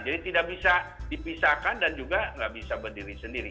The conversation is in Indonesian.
jadi tidak bisa dipisahkan dan juga tidak bisa berdiri sendiri